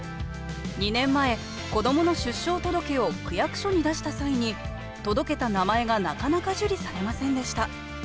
２年前子どもの出生届を区役所に出した際に届けた名前がなかなか受理されませんでした。